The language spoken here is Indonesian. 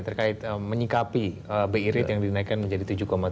terkait menyikapi bi rate yang dinaikkan menjadi tujuh tujuh